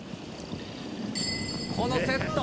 「このセット！」